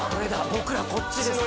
僕らこっちですわ。